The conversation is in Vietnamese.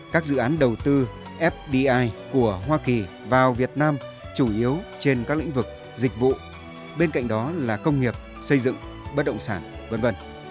các dự án đầu tư fdi của hoa kỳ vào việt nam chủ yếu trên các lĩnh vực dịch vụ bên cạnh đó là công nghiệp xây dựng bất động sản v v